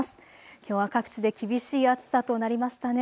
きょうは各地で厳しい暑さとなりましたね。